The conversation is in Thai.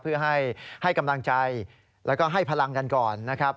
เพื่อให้กำลังใจแล้วก็ให้พลังกันก่อนนะครับ